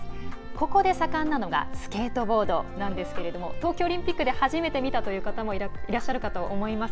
ここで盛んなのがスケートボードなんですけれども東京オリンピックで初めて見たという方もいらっしゃると思います。